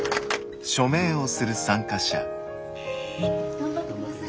頑張ってください。